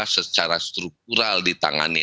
secara struktural ditangani